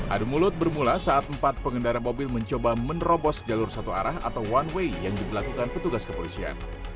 adu mulut bermula saat empat pengendara mobil mencoba menerobos jalur satu arah atau one way yang diberlakukan petugas kepolisian